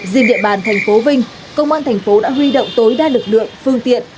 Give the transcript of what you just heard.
riêng địa bàn thành phố vinh công an thành phố đã huy động tối đa lực lượng phương tiện